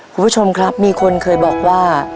คุณผู้ชมครับมีคนเคยบอกว่า